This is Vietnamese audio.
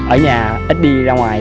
ở nhà ít đi ra ngoài